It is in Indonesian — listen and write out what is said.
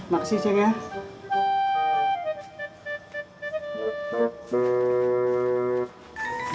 makasih cik ya